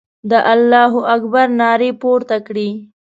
د الله اکبر نارې پورته کړې.